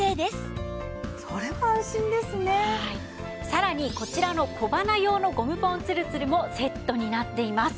さらにこちらの小鼻用のゴムポンつるつるもセットになっています。